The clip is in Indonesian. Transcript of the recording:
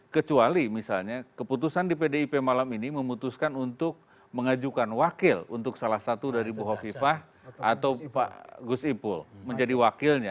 kecuali misalnya keputusan di pdip malam ini memutuskan untuk mengajukan wakil untuk salah satu dari bu hovipa atau pak gus ipul menjadi wakilnya